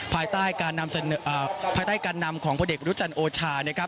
ภายใต้การนำของพ่อเด็กวรุฯจรรย์โอชา